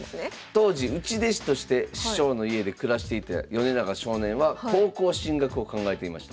当時内弟子として師匠の家で暮らしていた米長少年は高校進学を考えていました。